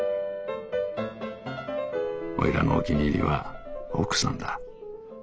おいらのお気に入りは奥さんだ。